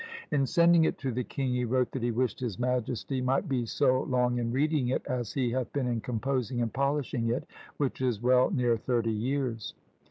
In sending it to the king, he wrote that he wished his majesty might be so long in reading it as he hath been in composing and polishing it, which is well near thirty years.